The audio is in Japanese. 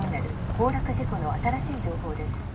崩落事故の新しい情報です